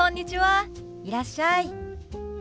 いらっしゃい。